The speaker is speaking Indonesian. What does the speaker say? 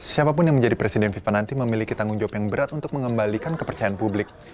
siapapun yang menjadi presiden fifa nanti memiliki tanggung jawab yang berat untuk mengembalikan kepercayaan publik